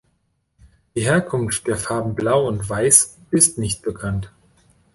Die Herkunft der Farben Blau und Weiss ist nicht bekannt.